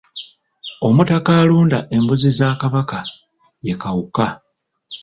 Omutaka alunda embuzi za Kabaka ye Kawuka.